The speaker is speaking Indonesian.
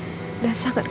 lalu kenapa sekarang papa